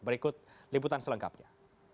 berikut liputan selengkapnya